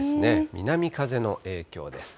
南風の影響です。